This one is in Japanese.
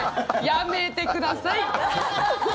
やめてください！